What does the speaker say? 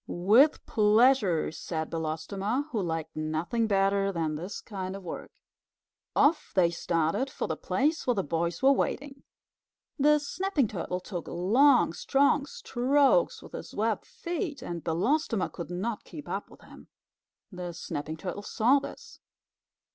"With pleasure," said Belostoma, who liked nothing better than this kind of work. Off they started for the place where the boys were wading. The Snapping Turtle took long, strong strokes with his webbed feet, and Belostoma could not keep up with him. The Snapping Turtle saw this.